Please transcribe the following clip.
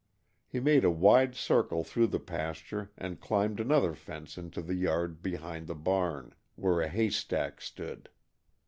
He made a wide circle through the pasture and climbed another fence into the yard behind the barn, where a haystack stood.